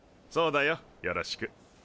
そうだよよろしく。